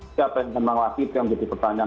siapa yang menawarkan itu yang jadi pertanyaan